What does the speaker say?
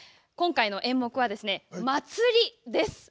今回の演目は「まつり」です。